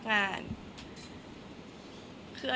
คนรอบตัวขวัดไม่ได้